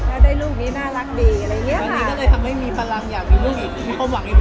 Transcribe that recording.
ถ้าได้ลูกนี้น่ารักดีอะไรอย่างเงี้ยค่ะ